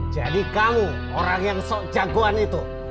jadi kamu orang yang sok jagoan itu